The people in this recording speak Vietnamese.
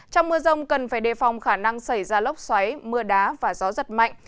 trong mưa rông cần phải đề phòng khả năng xảy ra lốc xoáy mưa đá và gió giật mạnh